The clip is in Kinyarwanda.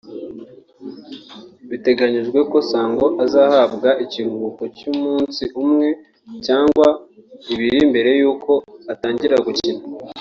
Biteganyijwe ko Song ahabwa ikiruhuko cy’umunsi umwe cyangwa ibiri mbere y’uko atangira gukina